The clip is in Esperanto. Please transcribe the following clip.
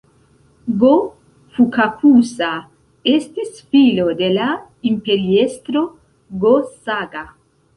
Go-Fukakusa estis filo de la imperiestro Go-Saga.